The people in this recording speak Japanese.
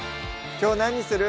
きょう何にする？